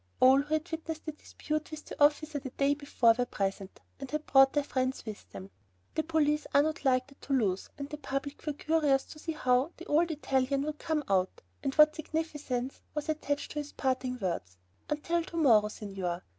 All who had witnessed the dispute with the officer the day before were present, and had brought their friends with them. The police are not liked at Toulouse, and the public were curious to see how the old Italian would come out, and what significance was attached to his parting words, "Until to morrow, Signor."